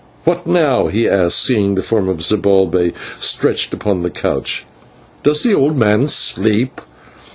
"What now?" he asked, seeing the form of Zibalbay stretched upon the couch. "Does the old man sleep?"